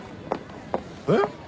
えっ？